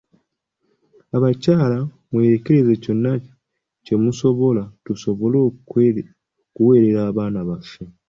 Abakyala mwerekereze kyonna kye musobola tusobole okuweerera abaana baffe.